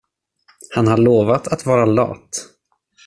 Han har lovat att vara lat.